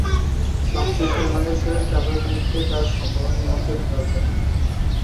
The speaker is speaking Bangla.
সর্বশেষ জানা গেছে, চাপের মুখে তাঁর সম্মেলনে মঞ্চে থাকা হচ্ছে না।